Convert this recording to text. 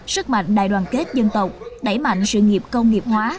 sức mạnh đài đoàn kết dân tộc đẩy mạnh sự nghiệp công nghiệp hóa